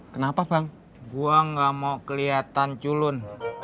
kenapa bang gua nggak mau kelihatan culun